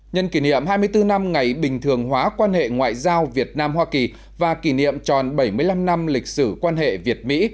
nhân kỷ niệm hai mươi bốn năm ngày bình thường hóa quan hệ ngoại giao việt nam hoa kỳ và kỷ niệm tròn bảy mươi năm năm lịch sử quan hệ việt mỹ